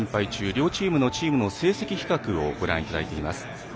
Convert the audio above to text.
両チームのチームの成績比較をご覧いただいています。